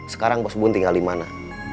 sekarang pos bun tinggal dimana